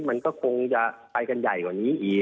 มันก็คงจะไปกันใหญ่กว่านี้อีก